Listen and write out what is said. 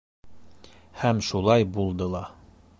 Һәм шулай булды ла.